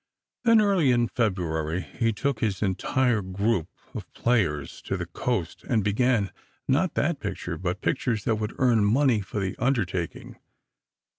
Then, early in February, he took his entire group of players to the Coast, and began, not that picture, but pictures that would earn money for the undertaking.